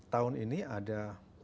tahun ini ada